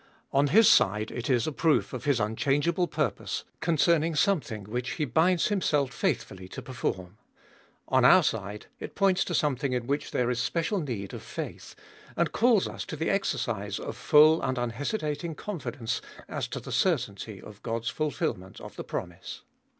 On His side it is a proof of His unchangeable purpose concern ing something which He binds Himself faithfully to perform. On our side it points to something in which there is special need of faith, and calls us to the exercise of full and unhesitating confi dence as to the certainty of God's fulfilment of the promise.